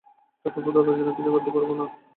ঠাকুরপো, দাদার জন্যে আর কিছুই করতে পারব না।